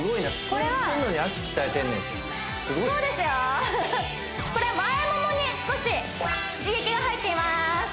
これは前モモに少し刺激が入っています